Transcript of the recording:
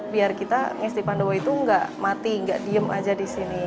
biar kita ngesti pandowo itu nggak mati nggak diem aja di sini